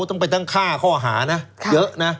ต้องไปตั้ง๕ข้อหานะเยอะนะ